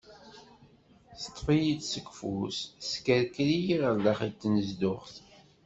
Teṭṭef-iyi-d seg ufus, teskerker-iyi ɣer daxel n tnezduɣt.